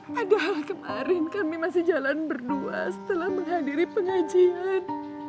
padahal kemarin kami masih jalan berdua setelah menghadiri pengajian